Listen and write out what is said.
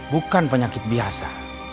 bukan penyakit biasa